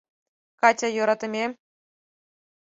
— Катя, йӧратымем...